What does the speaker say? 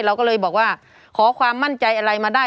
เราก็เลยบอกว่าขอความมั่นใจอะไรมาได้